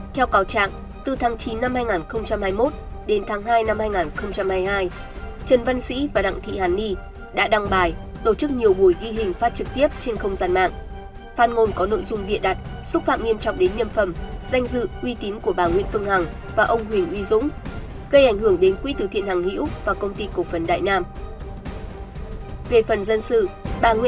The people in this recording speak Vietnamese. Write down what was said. theo cáo trạng từ tháng chín năm hai nghìn hai mươi một đến tháng hai năm hai nghìn hai mươi hai trần văn sĩ và đặng thị hàn ni đã đăng bài tổ chức nhiều buổi ghi hình phát trực tiếp trên không gian mạng